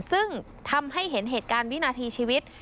ซึ่งทำให้เห็นเหตุการณ์วินาทีชีวิต